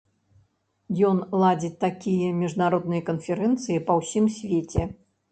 Ён ладзіць такія міжнародныя канферэнцыі па ўсім свеце.